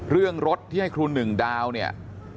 เรื่องรถที่ให้ครูหนึ่งดาวเนี่ย